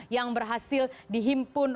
yang berhasil dihimpun